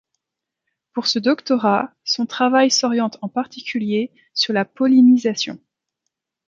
Pour ce doctorat, son travail s'oriente en particulier sur la pollinisation.